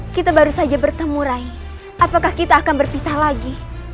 kita baru saja bertemu rai apakah kita akan berpisah lagi